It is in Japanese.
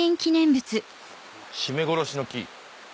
締め殺しの木。